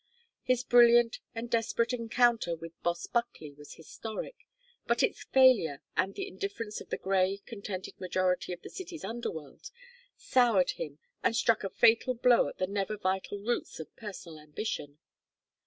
His brilliant and desperate encounter with Boss Buckley was historic, but its failure, and the indifference of the gay contented majority to the city's underworld, soured him and struck a fatal blow at the never vital roots of personal ambition.